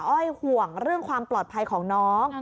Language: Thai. ้อยห่วงเรื่องความปลอดภัยของน้อง